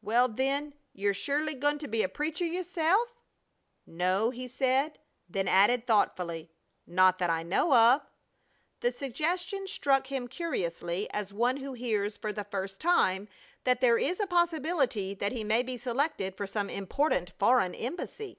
"Well, then, yer surely goin' to be a preacher yerself?" "No," he said; then added, thoughtfully, "not that I know of." The suggestion struck him curiously as one who hears for the first time that there is a possibility that he may be selected for some important foreign embassy.